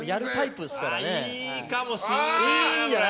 いいかもしれないな。